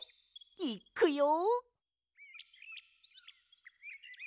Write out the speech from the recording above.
いっくよ！